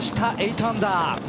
８アンダー。